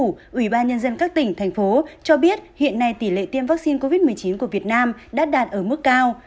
ủy ban nhân dân các tỉnh thành phố cho biết hiện nay tỷ lệ tiêm vaccine covid một mươi chín của việt nam đã đạt ở mức cao